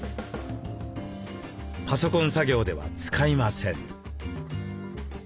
パソコン作業では使いません。